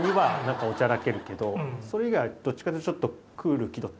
それ以外はどっちかっていうとちょっと。